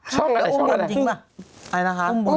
ช่องอะไรช่องอะไร